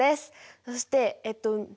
そしてえっと熱中！